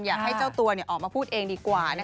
อยากให้เจ้าตัวออกมาพูดเองดีกว่า